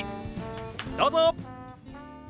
どうぞ！